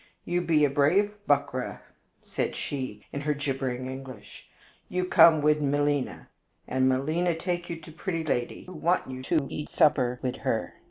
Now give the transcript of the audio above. "You be a brave Buckra," said she, in her gibbering English. "You come wid Melina, and Melina take you to pretty lady, who want you to eat supper wid her."